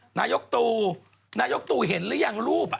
จากธนาคารกรุงเทพฯ